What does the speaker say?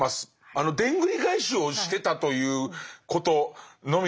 あのでんぐり返しをしてたということのみでございます。